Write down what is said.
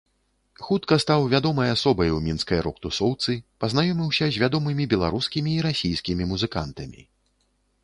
Хутка стаў вядомай асобай у мінскай рок-тусоўцы, пазнаёміўся з вядомымі беларускімі і расійскімі музыкантамі.